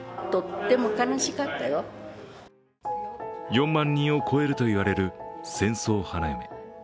４万人を超えるといわれる戦争花嫁。